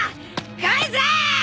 返せ！